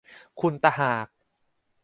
คุณตะหาก